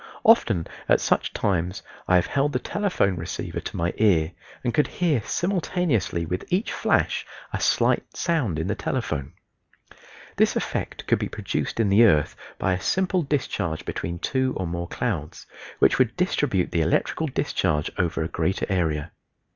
Often at such times I have held the telephone receiver to my ear and could hear simultaneously with each flash a slight sound in the telephone. This effect could be produced in the earth by a simple discharge between two or more clouds, which would distribute the electrical discharge over a greater area.